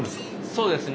そうですね。